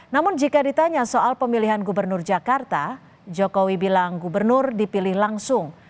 namun jika ditanya soal pemilihan gubernur jakarta jokowi bilang gubernur dipilih langsung